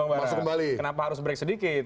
masuk kembali kenapa harus break sedikit